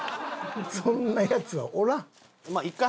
そんなヤツはおらん。